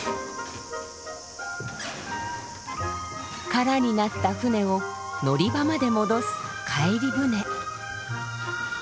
空になった舟を乗り場まで戻す「帰り舟」。